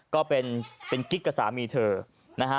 ก็เป็นกิ๊กกับสามีเธอนะฮะ